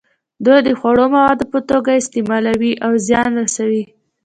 دوی د خوړو موادو په توګه یې استعمالوي او زیان رسوي.